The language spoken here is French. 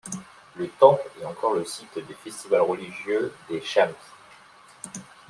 Le temple est encore le site des festivals religieux des Chams.